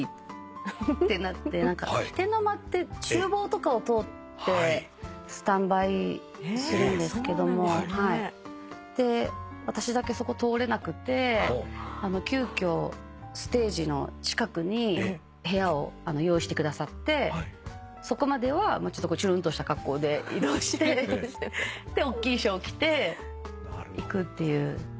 飛天の間って厨房とかを通ってスタンバイするんですけども私だけそこ通れなくて急きょステージの近くに部屋を用意してくださってそこまではちゅるんとした格好で移動してでおっきい衣装を着て行くっていう。